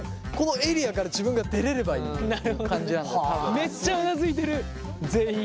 めっちゃうなずいてる全員。